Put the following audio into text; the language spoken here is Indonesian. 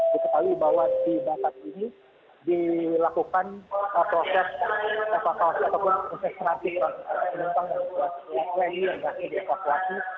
begitulah bahwa di batam ini dilakukan proses evakuasi ataupun penerbangan